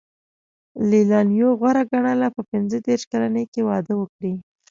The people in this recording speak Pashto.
لېلیانو غوره ګڼله په پنځه دېرش کلنۍ کې واده وکړي.